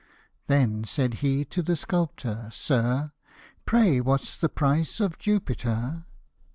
Then said he to the sculptor, " Sir, Pray what's the price of Jupiter